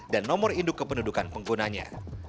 dan nomor induk kependudukan penggunanya